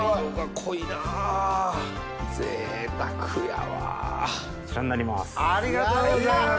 こちらになります。